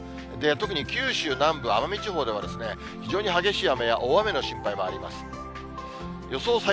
特に、九州南部、奄美地方では、非常に激しい雨や大雨の心配もあります。